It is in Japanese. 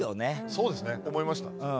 そうですね思いました。